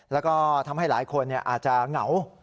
แล้วก็ทำให้หลายคนอาจจะเหงา